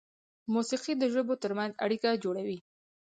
موسیقي د ژبو تر منځ اړیکه جوړوي.